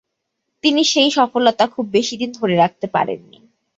তিনি সেই সফলতা খুব বেশিদিন ধরে রাখতে পারেননি।